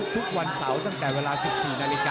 ทุกวันเสาร์ตั้งแต่เวลา๑๔๐๐น